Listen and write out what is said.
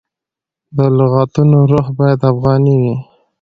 د لغتونو روح باید افغاني وي.